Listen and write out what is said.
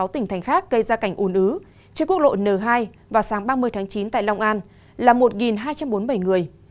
sáu tỉnh thành khác gây ra cảnh ủn ứ trên quốc lộ n hai vào sáng ba mươi tháng chín tại long an là một hai trăm bốn mươi bảy người